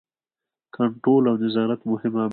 کنټرول او نظارت مهم عامل دی.